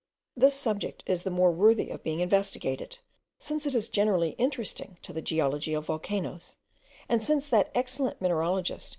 This subject is the more worthy of being investigated, since it is generally interesting to the geology of volcanoes; and since that excellent mineralogist, M.